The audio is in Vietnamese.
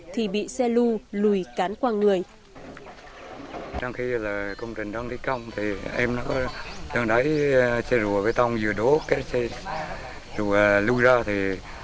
thì bị xe lưu lùi cán qua người